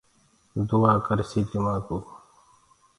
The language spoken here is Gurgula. دُآآ ڪرسي تمآ ڪو